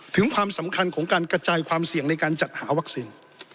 ความสำคัญของการกระจายความเสี่ยงในการจัดหาวัคซีน